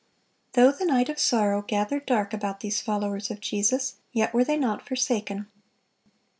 Though the night of sorrow gathered dark about these followers of Jesus, yet were they not forsaken.